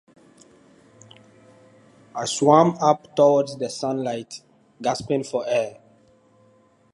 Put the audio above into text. I swarm up towards the sunlight, gasping for air.